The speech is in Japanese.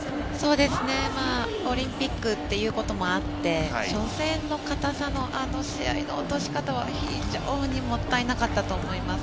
オリンピックということもあって初戦の硬さのあの試合の落とし方は非常にもったいなかったと思います。